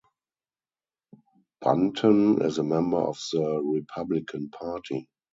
Bunten is a member of the Republican Party.